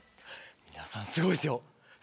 皆さん、すごいですよ。